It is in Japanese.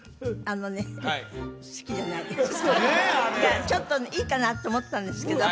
あれいやちょっといいかなと思ったんですけど